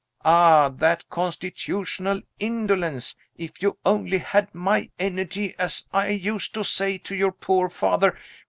Ah, that constitutional indolence. If you only had my energy, as I used to say to your poor father.